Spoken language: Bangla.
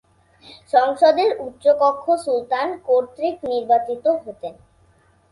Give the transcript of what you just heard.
সংসদের উচ্চকক্ষ সুলতান কর্তৃক নির্বাচিত হতেন।